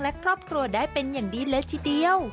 และครอบครัวได้เป็นอย่างดีเลยทีเดียว